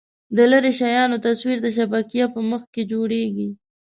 د لیرې شیانو تصویر د شبکیې په مخ کې جوړېږي.